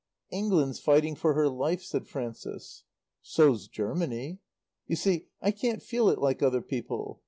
"England's fighting for her life," said Frances. "So's Germany. "You see, I can't feel it like other people.